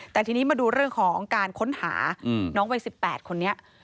แต่ทีนี้มาดูเรื่องของการค้นหาน้องวัย๑๘คนนี้